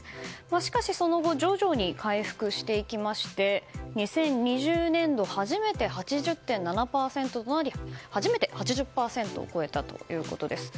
しかし、その後徐々に回復していきまして２０２０年度、初めて８０％を超えたということです。